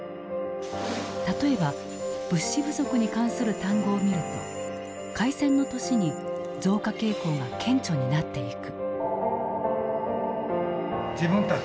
例えば物資不足に関する単語を見ると開戦の年に増加傾向が顕著になっていく。